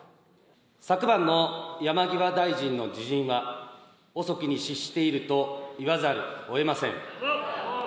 昨晩の山際大臣の辞任は、遅きに失していると言わざるをえません。